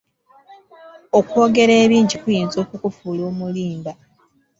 Okwogera ebingi kuyinza okukufuula omulimba.